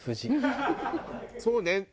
そうね。